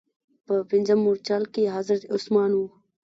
په پنځم مورچل کې حضرت عثمان و.